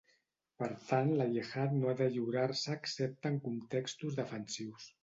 Per tant, la jihad no ha de lliurar-se excepte en contextos defensius.